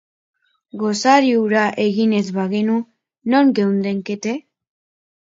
Gosari hura egin ez bagenu, non geundeke?